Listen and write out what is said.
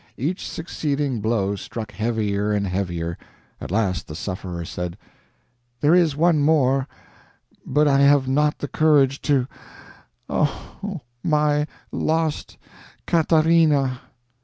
Each succeeding blow struck heavier and heavier. At last the sufferer said: "There is one more, but I have not the courage to O my lost Catharina!"